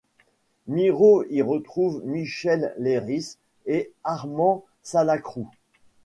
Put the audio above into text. Miró y retrouve Michel Leiris et Armand Salacrou.